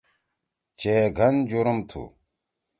چے گھن جُرم تُھو۔